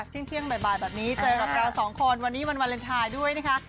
เที่ยงบ่ายแบบนี้เจอกับเราสองคนวันนี้วันวาเลนไทยด้วยนะคะ